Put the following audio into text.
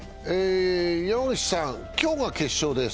山口さん、今日が決勝です。